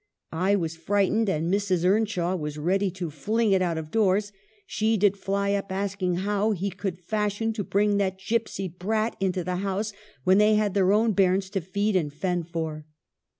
I was frightened, and Mrs. Earnshaw was ready to fling it out of doors : she did fly up, asking how he could fashion to bring that gypsy brat into the house when they had their own bairns to feed and fend for